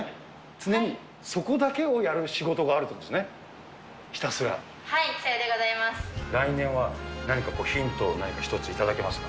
常にそこだけをやる仕事があるとはい、来年は何かヒントを一つ頂けますか？